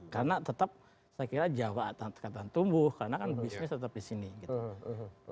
karena tetap saya kira jawa akan tumbuh karena kan bisnis tetap disini gitu